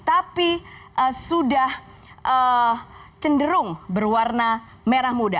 tapi sudah cenderung berwarna merah muda